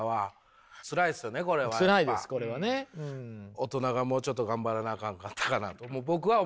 大人がもうちょっと頑張らなあかんかったかなと僕は思うんすね。